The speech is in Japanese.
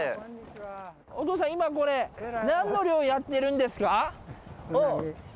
おとうさん今これ何の漁をやってるんですか？